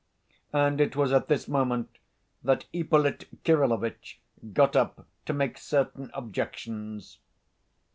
And it was at this moment that Ippolit Kirillovitch got up to make certain objections.